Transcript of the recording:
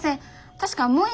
確かもう１